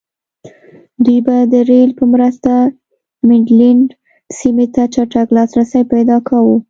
دوی به د رېل په مرسته منډلینډ سیمې ته چټک لاسرسی پیدا کاوه.